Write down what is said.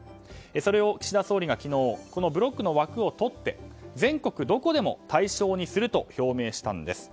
それを、岸田総理が昨日このブロックの枠を取って全国どこでも対象にすると表明したんです。